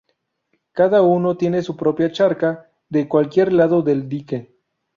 Cada uno tiene su propia charca de cualquier lado del dique.